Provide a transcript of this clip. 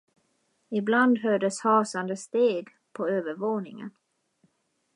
Ibland hördes hasande steg på övervåningen.